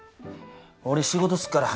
俺仕事すっから。